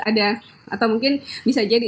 ada atau mungkin bisa jadi